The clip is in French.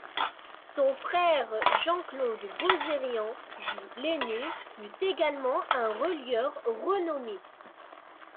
Son frère Jean-Claude Bozerian, dit l'Aîné, fut également un relieur renommé.